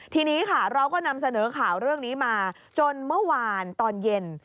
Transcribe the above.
ทีนี้ค่ะเราก็นำเสนอข่าวเรื่องนี้มาจนเมื่อวานตอนเย็น